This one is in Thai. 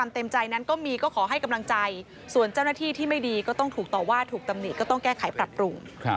ต้องแก้ไขปรับปรุง